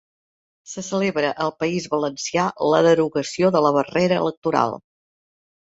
Se celebra al País Valencià la derogació de la barrera electoral